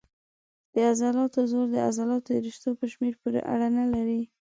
د عضلاتو زور د عضلاتو د رشتو په شمېر پورې اړه نه لري.